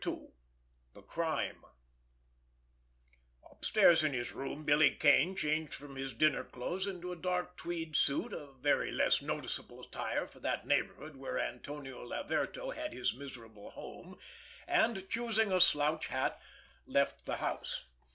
II—THE CRIME Upstairs in his room Billy Kane changed from his dinner clothes into a dark tweed suit, a very less noticeable attire for that neighborhood where Antonio Laverto had his miserable home, and choosing a slouch hat, left the house.